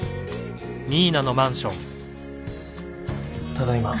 ただいま。